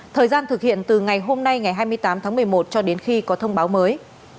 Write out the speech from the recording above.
thời gian thực hiện từ ngày hôm nay ngày hai mươi tám tháng một mươi một cho đến khi có thông báo mới